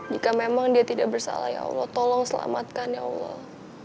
jika memang dia tidak bersalah ya allah tolong selamatkan ya allah